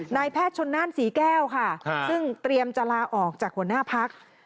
นายแพทย์ชนนั่นศรีแก้วค่ะซึ่งเตรียมจะลาออกจากหัวหน้าพัก